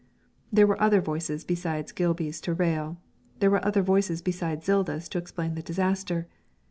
There were other voices besides Gilby's to rail; there were other voices besides Zilda's to explain the disaster.